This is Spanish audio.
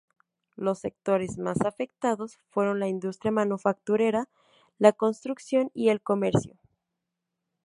Los sectores más afectados fueron la industria manufacturera, la construcción y el comercio.